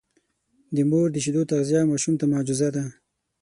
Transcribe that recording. د مور د شیدو تغذیه ماشوم ته معجزه ده.